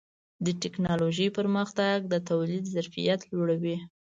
د ټکنالوجۍ پرمختګ د تولید ظرفیت لوړوي.